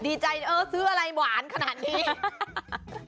ดีใจสืออะไรหวานขนาดนี้